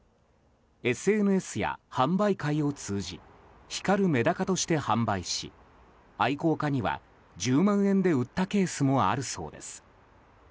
ＳＮＳや販売会を通じ光るメダカとして販売し愛好家には１０万円で売ったケースもあるそうです。